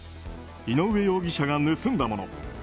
井上容疑者が盗んだもの。